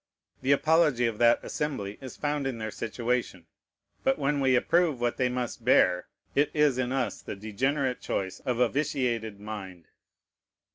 The apology of that assembly is found in their situation; but when we approve what they must bear, it is in us the degenerate choice of a vitiated mind.